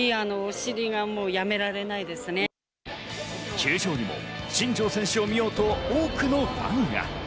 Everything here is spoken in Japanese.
球場にも新庄選手を見ようと多くのファンが。